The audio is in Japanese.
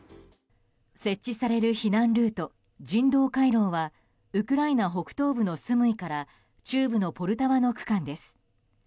設置される避難ルート人道回廊はウクライナ北東部のスムイから中部のポルタワの区間です。